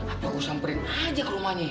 apa gua samperin aja ke rumahnya ya